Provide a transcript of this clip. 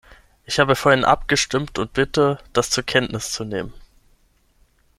Ich habe vorhin abgestimmt und bitte, das zur Kenntnis zu nehmen.